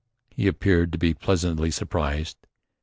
And he appeared to be pleasantly surprised.